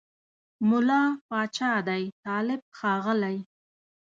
مُلا پاچا دی طالب ښاغلی